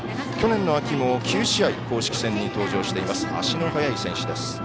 去年の秋も９試合公式戦に登場しています。